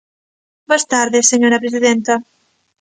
Boas tardes, señora presidenta.